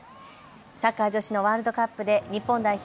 サッカー女子のワールドカップで日本代表